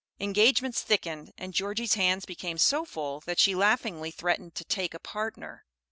Engagements thickened, and Georgie's hands became so full that she laughingly threatened to "take a partner."